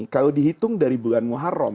kalau dihitung dari bulan muharram